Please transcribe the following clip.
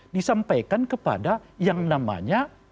disampaikan kepada yang namanya